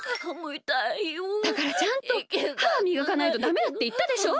だからちゃんとははみがかないとダメだっていったでしょ！